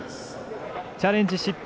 チャレンジ失敗。